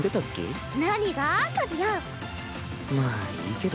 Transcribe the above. まあいいけど。